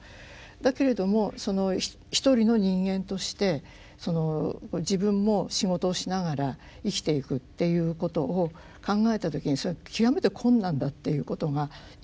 だけれども一人の人間として自分も仕事をしながら生きていくっていうことを考えた時にそれは極めて困難だっていうことがいまだに続いている。